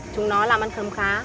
chúng nó làm ăn khấm khá